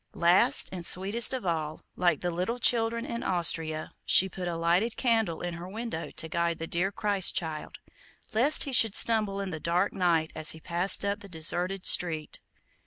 Last, and sweetest of all, like the little children in Austria, she put a lighted candle in her window to guide the dear Christ child, lest he should stumble in the dark night as he passed up the deserted street.